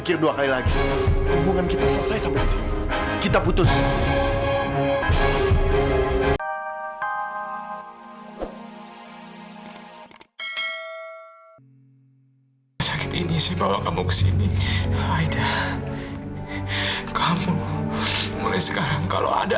karena saya mencintai kamu aida